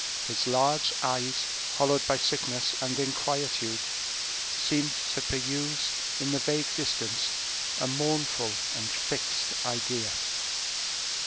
His large eyes, hollowed by sickness and inquietude, seemed to peruse in the vague distance a mournful and fixed idea.